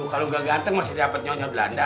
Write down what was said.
kalau nggak ganteng masih dapat nyonya belanda